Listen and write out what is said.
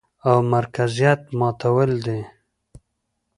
او مرکزيت ماتول دي،